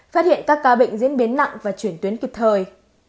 phát hiện các ca bệnh diễn biến nặng và chuyển tuyến kịp thời